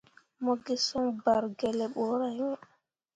Mo gi soŋ bargelle ɓorah iŋ.